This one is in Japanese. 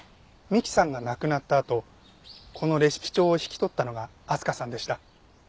美希さんが亡くなったあとこのレシピ帳を引き取ったのが明日香さんでした。